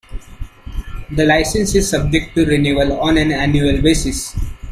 The license is subject to renewal on an annual basis.